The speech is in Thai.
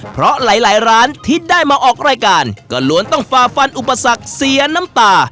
เพราะหลายร้านที่ได้มาออกรายการก็ล้วนต้องฝ่าฟันอุปสรรคเสียน้ำตา